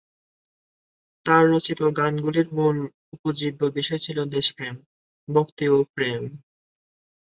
তার রচিত গানগুলির মূল উপজীব্য বিষয় ছিল দেশপ্রেম, ভক্তি ও প্রেম।